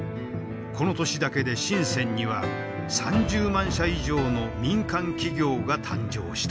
この年だけで深には３０万社以上の民間企業が誕生した。